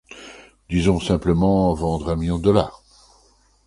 Disons simplement vendre un million de dollars.